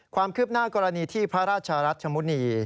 ความคิบหน้ากรณีที่พระราชรัฐชมธ์ชมธ์นี้